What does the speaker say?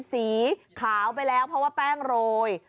สีขาวไปแล้วเพราะว่าแป้งโรย